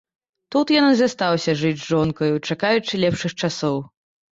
Тут ён і застаўся жыць з жонкаю, чакаючы лепшых часоў.